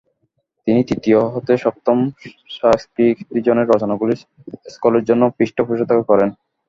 তিনি তৃতীয় হতে সপ্তম সা-স্ক্যা-খ্রি-'দ্জিনের রচনাগুলির সঙ্কলনের জন্য পৃষ্ঠপোষকতা করেন।